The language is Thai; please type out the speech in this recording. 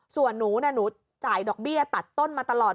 ส่วนหนูน่ะหนูจ่ายดอกเบี้ยตัดต้นมาตลอด